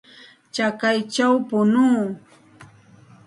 Chakayćhaw punuu.